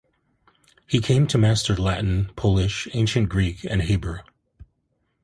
He came to master Latin, Polish, Ancient Greek and Hebrew.